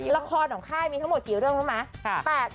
ละครของค่ายมีทั้งหมดกี่เรื่องรู้ไหม